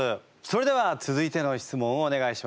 それでは続いての質問をお願いします。